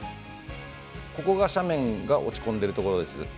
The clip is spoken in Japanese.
ここが斜面が落ち込んでいる所です。